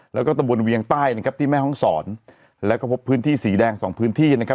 แล้วก็ตะบนเวียงใต้นะครับที่แม่ห้องศรแล้วก็พบพื้นที่สีแดงสองพื้นที่นะครับ